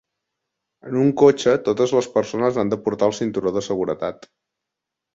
En un cotxe, totes les persones han de portar el cinturó de seguretat.